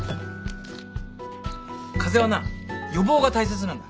風邪はな予防が大切なんだ。